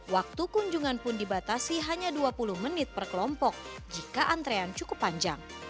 waktu kunjungan pun dibatasi hanya dua puluh menit per kelompok jika antrean cukup panjang